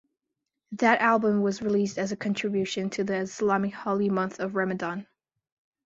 That album was released as a "contribution" to the Islamic holy month of Ramadhan.